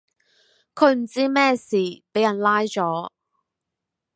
佢唔知乜事,卑人拉左